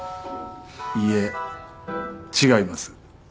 いえ違います。